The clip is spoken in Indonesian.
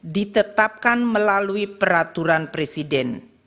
ditetapkan melalui peraturan presiden